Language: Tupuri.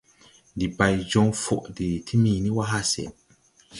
Ndi bay jɔŋ fɔʼɔ de timini wà hase.